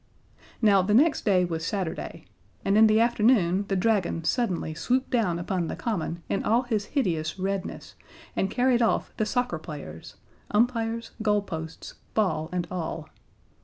Now, the next day was Saturday. And in the afternoon the Dragon suddenly swooped down upon the common in all his hideous redness, and carried off the Soccer Players, umpires, goal posts, ball, and all.